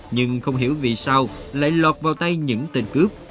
nhưng không hiểu vì sao lại lọt vào tay những tên cướp